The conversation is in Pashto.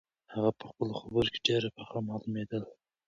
هغه په خپلو خبرو کې ډېره پخه معلومېدله.